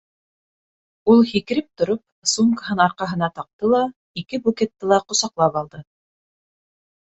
Ул, һикереп тороп, сумкаһын арҡаһына таҡты ла ике букетты ла ҡосаҡлап алды.